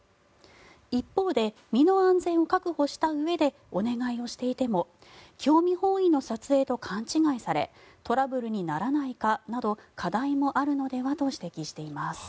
一方で身の安全を確保したうえでお願いをしていても興味本位の撮影と勘違いされトラブルにならないかなど課題もあるのではと指摘しています。